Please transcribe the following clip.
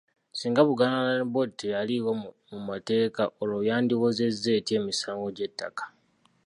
Singa Buganda Land Board teyaliiwo mu mateeka olwo yandiwozezza etya emisango gy'ettaka?